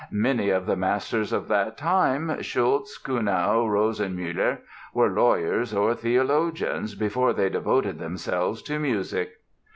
Many of the masters of that time, Schütz, Kuhnau, Rosenmüller, were lawyers or theologians, before they devoted themselves to music."